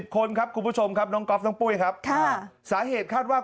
คนครับคุณผู้ชมครับน้องก๊อฟน้องปุ้ยครับสาเหตุคาดว่า